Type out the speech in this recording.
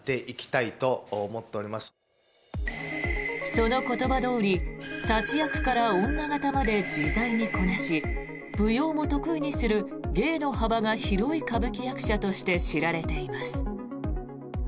その言葉どおり、立ち役から女形まで自在にこなし舞踊も得意にする芸の幅が広い歌舞伎役者として知られています。